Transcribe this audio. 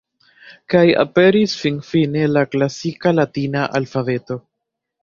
Kaj aperis finfine la "klasika" latina alfabeto.